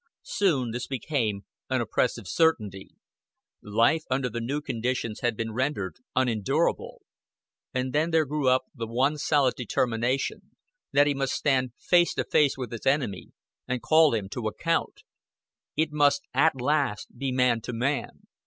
Soon this became an oppressive certainty. Life under the new conditions had been rendered unendurable. And then there grew up the one solid determination, that he must stand face to face with his enemy and call him to account. It must at last be man to man.